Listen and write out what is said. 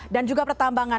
dan juga pertambangan